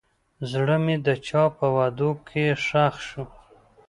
زړه مې د چا په وعدو کې ښخ شو.